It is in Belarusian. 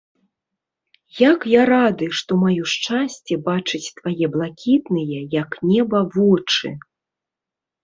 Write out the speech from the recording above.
Як я рады, што маю шчасце бачыць твае блакітныя, як неба, вочы!